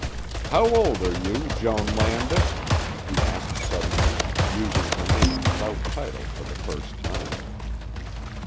"How old are you, Joan Landis?" he asked suddenly, using her name without title for the first time.